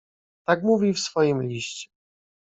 "Tak mówi w swoim liście."